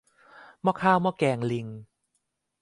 หม้อข้าวหม้อแกงลิง